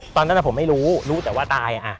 ตอนนั้นผมไม่รู้รู้แต่ว่าตาย